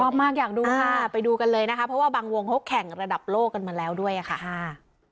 ชอบมากอยากดูค่ะไปดูกันเลยนะคะเพราะว่าบางวงเขาแข่งระดับโลกกันมาแล้วด้วยค่ะ